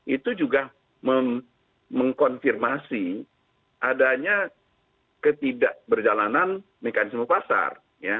itu juga mengkonfirmasi adanya ketidakberjalanan mekanisme pasar